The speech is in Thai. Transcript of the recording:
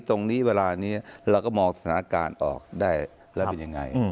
ตรงนี้เวลานี้เราก็มองสถานการณ์ออกได้แล้วเป็นยังไง